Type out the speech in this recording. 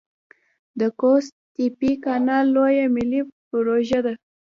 د قوش تیپې کانال لویه ملي پروژه ده